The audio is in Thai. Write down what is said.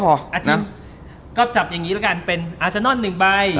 พอนะก็จับอย่างงี้แล้วกันเป็นอาเซนอลหนึ่งใบอ่า